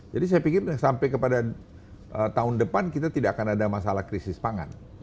jadi saya pikir sampai kepada tahun depan kita tidak akan ada masalah krisis pangan